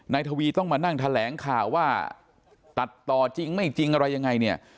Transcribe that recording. ทวีต้องมานั่งแถลงข่าวว่าตัดต่อจริงไม่จริงอะไรยังไงเนี่ย